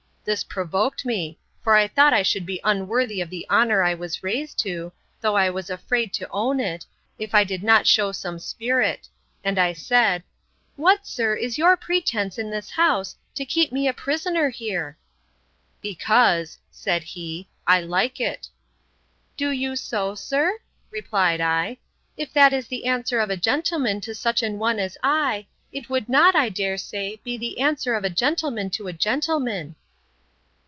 This provoked me; for I thought I should be unworthy of the honour I was raised to, though I was afraid to own it, if I did not shew some spirit; and I said, What, sir, is your pretence in this house, to keep me a prisoner here? Because, said he—I like it.—Do you so, sir? replied I: if that is the answer of a gentleman to such an one as I, it would not, I dare say, be the answer of a gentleman to a gentleman.